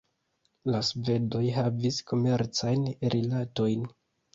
La svedoj havis komercajn rilatojn.